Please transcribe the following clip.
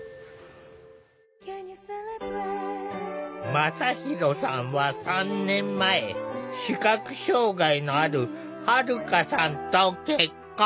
真大さんは３年前視覚障害のあるはるかさんと結婚。